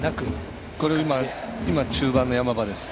今、中盤の山場です。